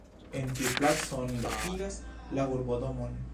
En tiu placo oni lokigas la urbodomon.